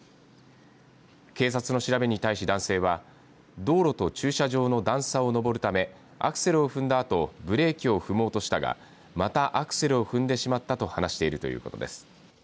警察の調べに対し、男性は道路と駐車場の段差を登るためアクセルを踏んだあとブレーキを踏もうとしたがまたアクセルを踏んでしまったと話しているということです。